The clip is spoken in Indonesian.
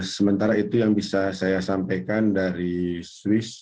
sementara itu yang bisa saya sampaikan dari swiss